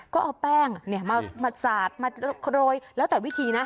ก็เอาแป้งมาสาดมาโรยแล้วแต่วิธีนะ